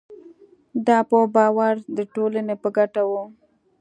دا په باور د ټولنې په ګټه وو.